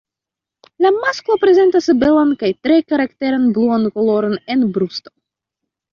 La masklo prezentas belan kaj tre karakteran bluan koloron en brusto.